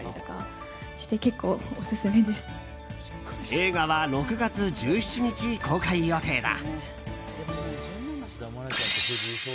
映画は６月１７日公開予定だ。